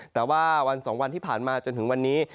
แต่ว่าวัน๒วันที่ผ่านมาจนถึงวันนี้